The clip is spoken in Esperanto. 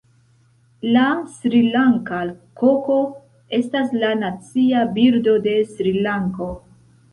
La Srilanka koko estas la Nacia birdo de Srilanko.